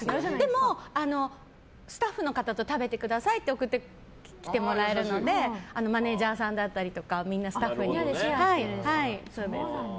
でも、スタッフの方と食べてくださいって送ってきてもらえるのでマネジャーさんだったりスタッフさんとシェアしたり。